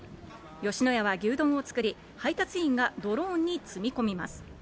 吉野家は牛丼を作り、配達員がドローンに積み込みます。